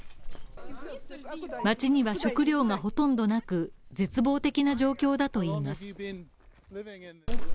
街には食料がほとんどなく、絶望的な状況だといいます。